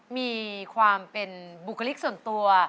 มีความเป็นบุคลิกส่วนตัว